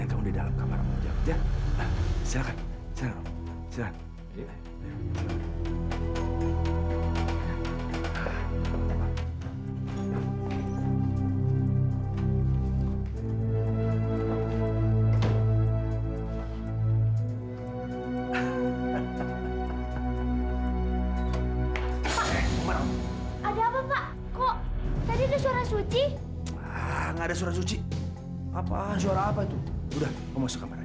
ada apa pak kok tadi suara suci ada suara suci apa suara